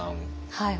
はい。